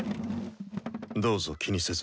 どうぞ気にせず。